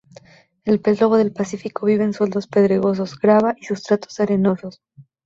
El pez lobo del Pacífico vive en suelos pedregosos, grava y sustratos arenosos.